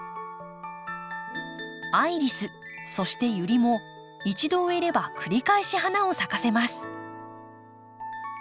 アイリスそしてユリも一度植えれば繰り返し花を咲かせます。